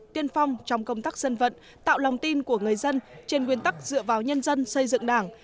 tiên phong trong công tác dân vận tạo lòng tin của người dân trên nguyên tắc dựa vào nhân dân xây dựng đảng